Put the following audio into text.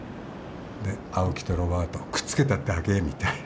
で「青木」と「ロバート」をくっつけただけみたいな。